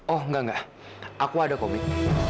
oh enggak enggak aku ada kok mit